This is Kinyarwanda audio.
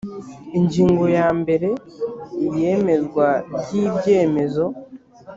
ingingo ya mbere iyemezwa ry ibyemezo